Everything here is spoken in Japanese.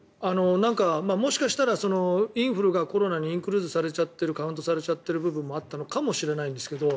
もしかしたらインフルがコロナにインクルーズされちゃってるカウントされちゃってる部分もあったのかもしれないけど